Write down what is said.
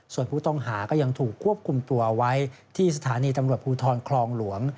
ส่วนผู้ต้องหาก็ยังถูกควบคุมตัวไว้ที่สถานีตำรวจภูทรคลองหลวง